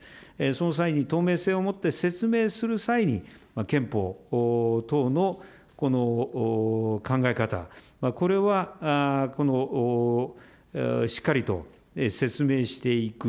その際に透明性を持って説明する際に、憲法等の考え方、これはしっかりと説明していく。